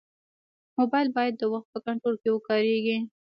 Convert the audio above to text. موبایل باید د وخت په کنټرول کې وکارېږي.